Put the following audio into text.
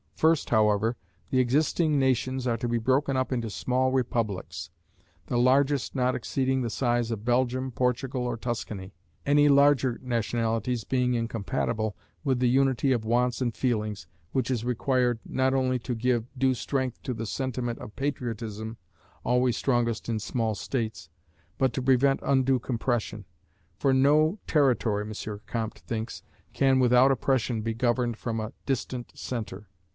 First, however, the existing nations are to be broken up into small republics, the largest not exceeding the size of Belgium, Portugal, or Tuscany; any larger nationalities being incompatible with the unity of wants and feelings, which is required, not only to give due strength to the sentiment of patriotism (always strongest in small states), but to prevent undue compression; for no territory, M. Comte thinks, can without oppression be governed from a distant centre.